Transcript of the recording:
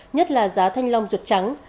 nhất là giá thanh long ruột trắng